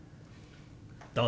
どうぞ。